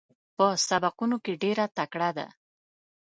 په سبقونو کې ډېره تکړه ده.